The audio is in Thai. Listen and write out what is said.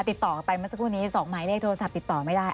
ติดต่อกันไปเมื่อสักครู่นี้๒หมายเลขโทรศัพท์ติดต่อไม่ได้